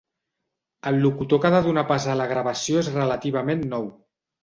El locutor que ha de donar pas a la gravació és relativament nou.